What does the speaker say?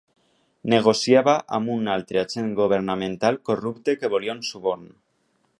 Negociava amb un altre agent governamental corrupte que volia un suborn.